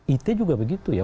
itu juga begitu ya